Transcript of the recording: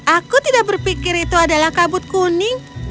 aku tidak berpikir itu adalah kabut kuning